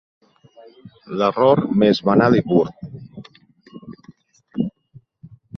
L'error més banal i burd.